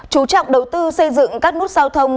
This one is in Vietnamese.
chú trọng đầu tư xây dựng các nút giao thông